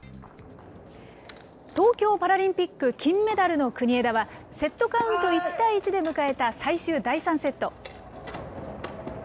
東京パラリンピック金メダルの国枝は、セットカウント１対１で迎えた最終第３セット。